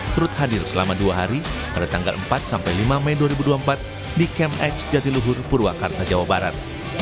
turut hadir selama dua hari pada tanggal empat sampai lima mei dua ribu dua puluh empat di camp x jatiluhur purwakarta jawa barat